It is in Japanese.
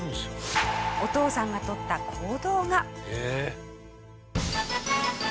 お父さんがとった行動が。